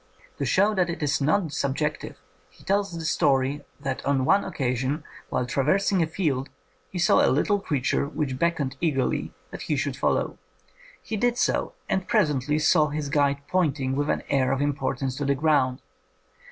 To show that it is not subjective, he tells the story that on one occasion, while traversing a field, he saw a little creature which beck oned eagerly that he should follow. He did so, and presently saw his guide pointing with an air of importance to the ground.